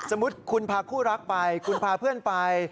สมมุติคุณพาคู่รักไปคุณพาเพื่อนไป